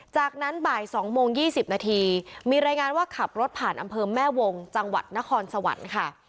จากนั้นบ่าย๒โมง๒๐นาทีมีรายงานว่าขับรถผ่านอำเภอแม่วงจังหวัดนครสวรรค์ค่ะ